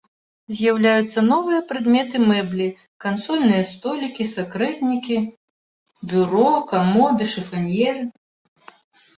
З'яўляюцца новыя прадметы мэблі, кансольныя столікі, сакрэтнікі, бюро, камоды, шыфаньеры.